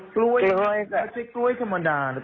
กล้วยไม่ใช่กล้วยธรรมดานะ